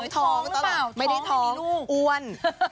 ท้องหรือเปล่าไม่ได้ท้องอ้วน